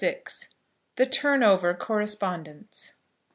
THE TURNOVER CORRESPONDENCE.